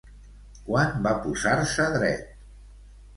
Quan va posar-se dret?